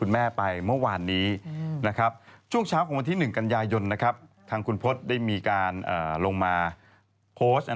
อื้อโอ๊ยใครนะคุณแม่อ้าวเหรอท่านขอแสดงความเสียใจค่ะคุณพิโภส